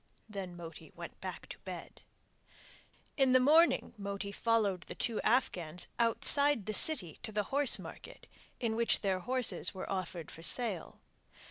Then Moti went back to bed! In the morning Moti followed the two Afghans outside the city to the horsemarket in which they horses were offered for sale.